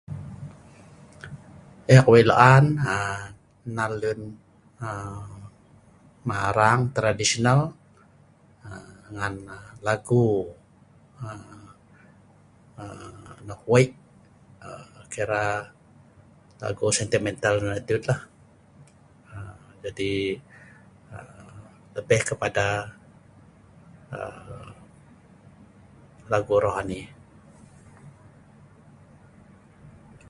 Eek wei' laan um nnal lun um marang tradisional um ngan um lagu um um nok wei' um kera lagu sentimental nonoh dut lah um jadi um lebih kepada um lagu rohani